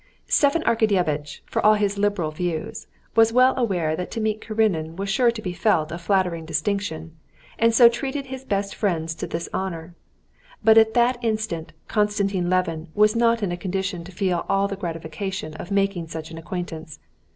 Stepan Arkadyevitch, for all his liberal views, was well aware that to meet Karenin was sure to be felt a flattering distinction, and so treated his best friends to this honor. But at that instant Konstantin Levin was not in a condition to feel all the gratification of making such an acquaintance.